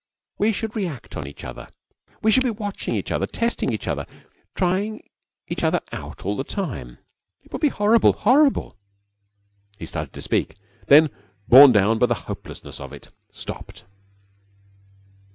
We should react on each other. We should be watching each other, testing each other, trying each other out all the time. It would be horrible, horrible!' He started to speak; then, borne down by the hopelessness of it, stopped.